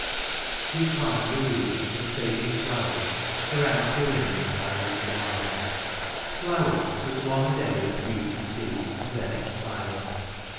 She twined a wreath of fading flowers Around Corinna^s silent lyre; Flowers that one day of beauty see And then expire.